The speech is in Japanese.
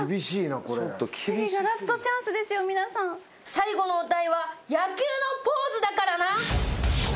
最後のお題は野球のポーズだからな。